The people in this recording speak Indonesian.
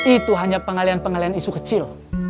itu hanya pengalian pengalian isu kecil